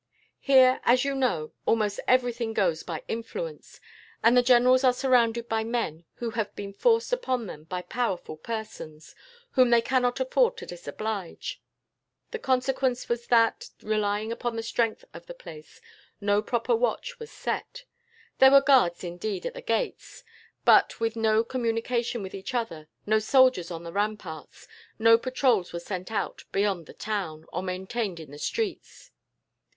"Here, as you know, almost everything goes by influence; and the generals are surrounded by men who have been forced upon them by powerful persons, whom they cannot afford to disoblige. The consequence was that, relying upon the strength of the place, no proper watch was set. There were guards, indeed, at the gates, but with no communication with each other; no soldiers on the ramparts; no patrols were sent out beyond the town, or maintained in the streets.